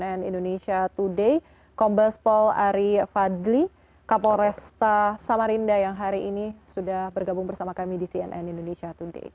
cnn indonesia today kombes pol ari fadli kapolresta samarinda yang hari ini sudah bergabung bersama kami di cnn indonesia today